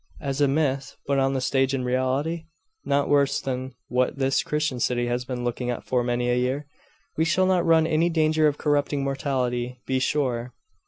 'As a myth; but on the stage in reality?' 'Not worse than what this Christian city has been looking at for many a year. We shall not run any danger of corrupting morality, be sure.